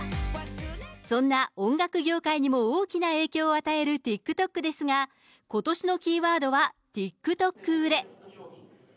そんな音楽業界にも大きな影響を与えるＴｉｋＴｏｋですが、ことしのキーワードは、ＴｉｋＴｏｋ売れ。